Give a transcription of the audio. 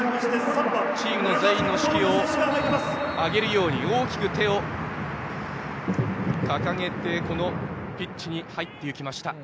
チーム全員の士気を上げるように大きく手を掲げてこのピッチに入っていきました。